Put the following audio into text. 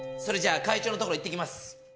それじゃ会長のところ行ってきます！